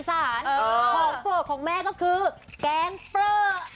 ของโปรดของแม่ก็คือแกงเปลือ